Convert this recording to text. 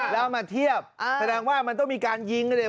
แล้วเอามาเทียบแสดงว่ามันต้องมีการยิงกันเนี่ย